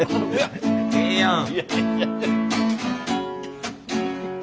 ええやん。